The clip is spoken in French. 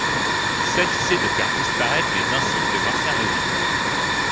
Il s'agissait de faire disparaître les insignes de l'Ancien Régime.